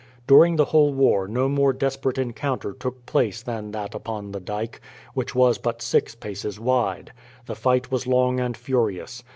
During the whole war no more desperate encounter took place than that upon the dyke, which was but six paces wide. The fight was long and furious.